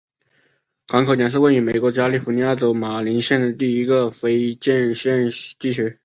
港口点是位于美国加利福尼亚州马林县的一个非建制地区。